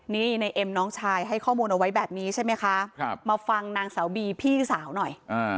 นี่ในเอ็มน้องชายให้ข้อมูลเอาไว้แบบนี้ใช่ไหมคะมาฟังนางสาวบีพี่สาวหน่อย